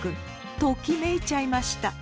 ときめいちゃいました。